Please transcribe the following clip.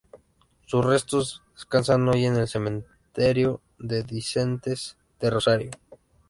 Sus restos descansan hoy en el Cementerio de Disidentes de Rosario.